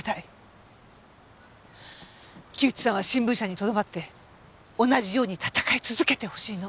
木内さんは新聞社にとどまって同じように戦い続けてほしいの。